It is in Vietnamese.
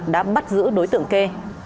đã bắt giữ đối tượng kê